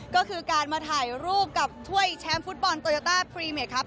ก็คือการมาถ่ายรูปกับถ้วยแชมป์ฟุตบอลโตโยต้าพรีเมคครับ